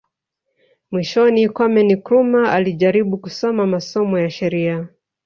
Mwishoni Kwame Nkrumah alijaribu kusoma masomo ya sheria